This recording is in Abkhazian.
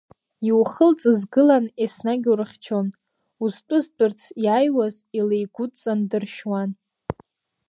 Иухылҵыз гылан еснагь урыхьчон, узтәызтәырц иааиуаз илеигәыдҵан дыршьуан.